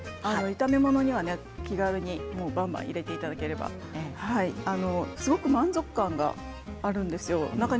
炒め物などに気軽にばんばん入れていただければすごく満足感があるんですよ。